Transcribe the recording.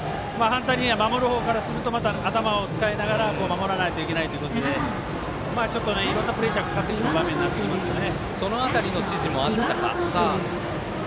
守る方からすると頭を使いながら守らないといけないっていういろんなプレッシャーかかる場面になってきますよね。